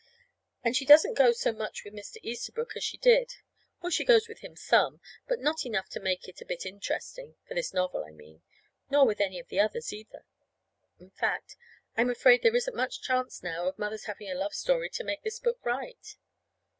And she doesn't go so much with Mr. Easterbrook as she did. Oh, she goes with him some, but not enough to make it a bit interesting for this novel, I mean nor with any of the others, either. In fact, I'm afraid there isn't much chance now of Mother's having a love story to make this book right.